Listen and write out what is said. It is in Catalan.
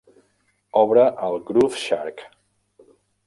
Obre el Grooveshark.